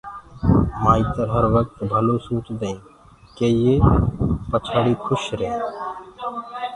مآئتر هروقت ڀلو سوچدآئينٚ ڪي يي پڇآڙي کُش ريهينٚ